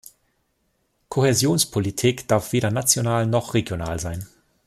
Kohäsionspolitik darf weder national noch regional sein.